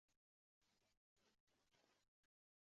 U sira ham shoshilmayotgandek tuyuldi. Men kuta boshladim.